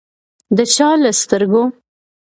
د چا له سترګو